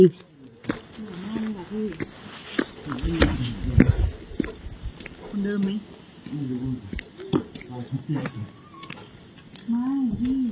นั่นแหละครับเขาบอกว่าเขามาไกล